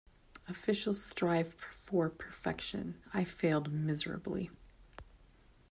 Officials strive for perfection - I failed miserably.